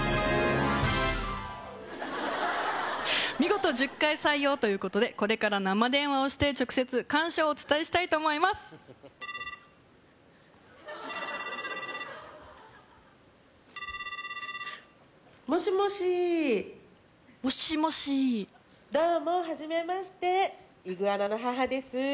見事１０回採用ということでこれから生電話をして直接感謝をお伝えしたいと思いますもしもしもしもしどうも初めましてイグアナの母です